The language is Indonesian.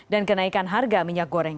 dan kenaikan harga minyak goreng